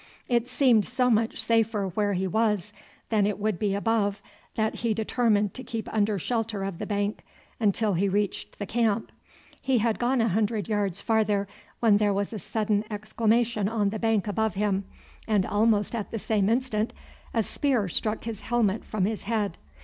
It seemed so much safer where he was than it would be above that he determined to keep under shelter of the bank until he reached the camp. He had gone a hundred yards farther when there was a sudden exclamation on the bank above him, and almost at the same instant a spear struck his helmet from his head.